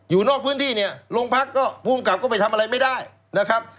อยู่นอกพื้นที่เนี่ยโรงพักก็ภูมิกับก็ไปทำอะไรไม่ได้นะครับ